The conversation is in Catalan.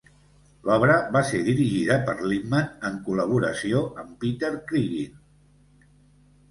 L'obra va ser dirigida per Lipman en col·laboració amb Peter Cregeen.